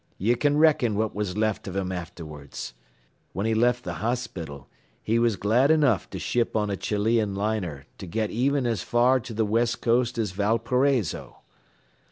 Ye can reckon what was left av him afterwards. Whin he left th' hospital, he was glad enough to ship on a Chilean liner to get even as far to the West Coast as Valparaiso.